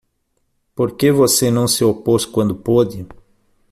Por que você não se opôs quando pôde?